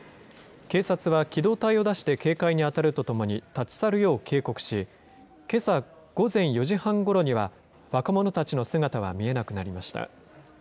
警察は機動隊を出して、警戒に当たるとともに、立ち去るよう警告し、けさ午前４時半ごろには、若者たちの姿は見えなくなりました。